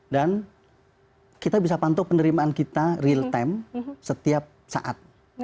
dan kita bisa pantuk penerimaan kita real time setiap saat